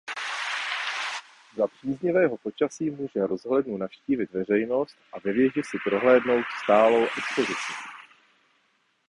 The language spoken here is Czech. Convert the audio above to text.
Za příznivého počasí může rozhlednu navštívit veřejnost a ve věži si prohlédnout stálou expozici.